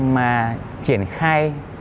mà triển khai